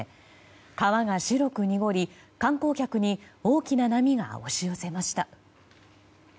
川が白く濁り、観光客に大きな波が押し寄せました。